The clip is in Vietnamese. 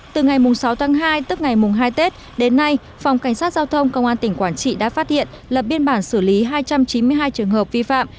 từ ngày sáu tháng hai tức ngày hai tết đến nay phòng cảnh sát giao thông công an tỉnh quảng trị đã phát hiện lập biên bản xử lý hai trăm chín mươi hai trường hợp vi phạm